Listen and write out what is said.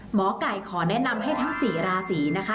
หมอไก่ขอแนะนำให้ทั้ง๔ราศีนะคะ